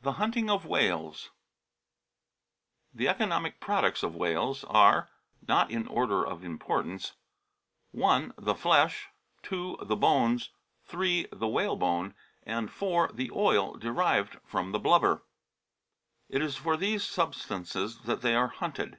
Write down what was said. THE HUNTING OF WHALES THE economic products of whales are (not in order of importance) : (i) The flesh, (2) the bones, (3) the whalebone, and (4) the oil derived from the blubber.* It is for these substances that they are hunted.